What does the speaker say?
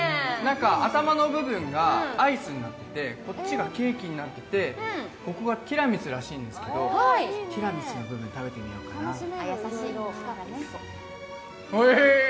頭の部分がアイスになってて、こっちがケーキになってて、ここがティラミスらしいんですけどティラミスの部分、食べてみようかな、おいしい。